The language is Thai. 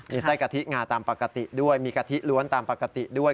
ไส้กะทิงาตามปกติด้วยมีกะทิล้วนตามปกติด้วย